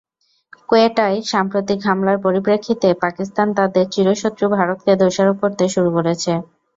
কোয়েটায় সাম্প্রতিক হামলার পরিপ্রেক্ষিতে পাকিস্তান তাদের চিরশত্রু ভারতকে দোষারোপ করতে শুরু করেছে।